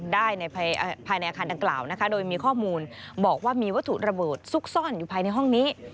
ได้ภายในอาคารดังกล่าวนะคะโดยมีข้อมูลบอกว่ามีวัตถุระเบิดซุกซ่อนอยู่ภายในห้องนี้